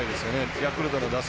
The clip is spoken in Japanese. ヤクルトの打線